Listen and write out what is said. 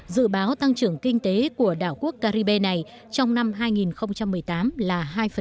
dự báo tăng trưởng kinh tế của đảo quốc caribe này trong năm hai nghìn một mươi tám là hai